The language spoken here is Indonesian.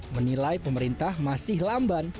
menilai pemerintah masih lamban